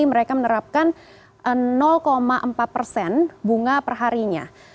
mereka menerapkan empat bunga perharinya